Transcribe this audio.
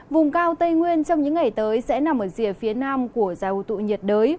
vùng cao tây nguyên trong những ngày tới sẽ nằm ở dìa phía nam của dẻo tụ nhiệt đới